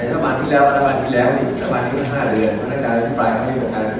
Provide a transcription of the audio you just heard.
อย่างจ่ายใจจังหรือทั้งหลวงว่า๕ปี